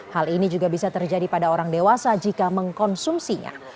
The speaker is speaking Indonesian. hal ini juga bisa terjadi pada orang dewasa jika mengkonsumsinya